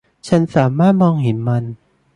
ฉันสามารถมองเห็นมัน